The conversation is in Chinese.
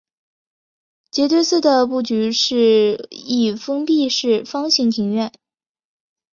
杰堆寺的布局是一封闭式方形庭院。